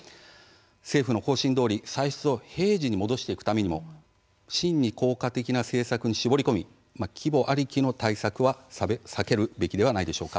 政府の方針どおり歳出を平時に戻していくためにも真に効果的な政策に絞り込み規模ありきの対策は避けるべきではないでしょうか。